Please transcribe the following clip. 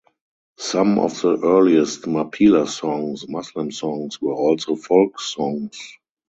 Some of the earliest Mappila songs (Muslim songs) were also folk songs.